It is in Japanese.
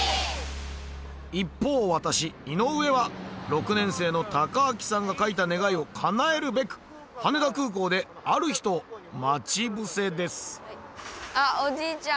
一方私井上は６年生のたかあきさんが書いた願いをかなえるべく羽田空港である人を待ち伏せですあっおじいちゃん！